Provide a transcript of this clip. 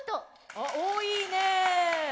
あっ多いね。